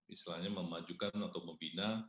istilahnya memajukan atau membina